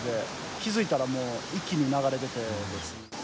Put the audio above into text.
気付いたらもう一気に流れ出て。